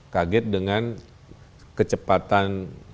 kaget dengan kecepatan